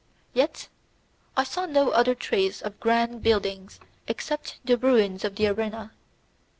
Yet I saw no other trace of grand buildings except the ruins of the arena.